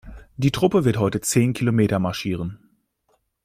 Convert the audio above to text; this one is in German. Die Truppe wird heute zehn Kilometer marschieren.